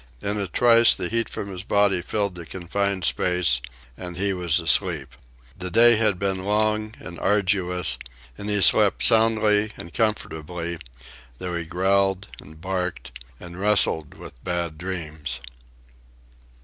In a trice the heat from his body filled the confined space and he was asleep. The day had been long and arduous, and he slept soundly and comfortably, though he growled and barked and wrestled with bad dreams.